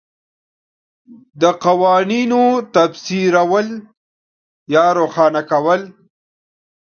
د قوانینو تفسیرول یا روښانه کول